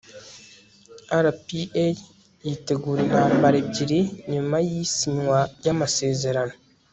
rpa yitegura intambara ebyiri nyuma y'isinywa ry'amasezerano